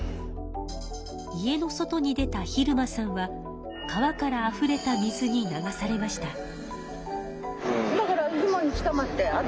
家の外に出た晝間さんは川からあふれた水に流されました。